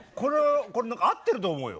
これ合ってると思うよ。